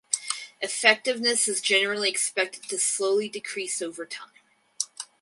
Effectiveness is generally expected to slowly decrease over time.